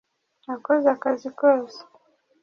nakoze akazi kose